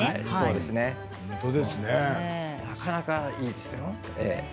なかなかいいですよ。